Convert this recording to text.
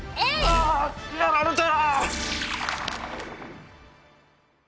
ああやられた。